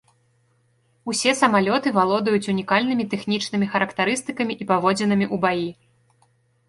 Усе самалёты валодаюць унікальнымі тэхнічнымі характарыстыкамі і паводзінамі ў баі.